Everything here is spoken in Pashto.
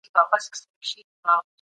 سیاسي ډلې باید تاریخي حقایق ومني.